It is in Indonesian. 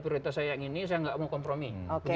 prioritas saya yang ini saya nggak mau kompromi